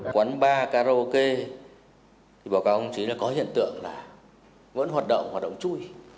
quán bar karaoke thì báo cáo ông chí là có hiện tượng là vẫn hoạt động hoạt động chui